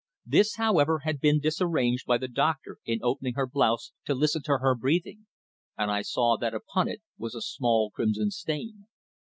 This, however, had been disarranged by the doctor in opening her blouse to listen to her breathing, and I saw that upon it was a small crimson stain.